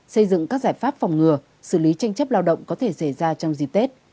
xây dựng các giải pháp phòng ngừa xử lý tranh chấp lao động có thể xảy ra trong dịp tết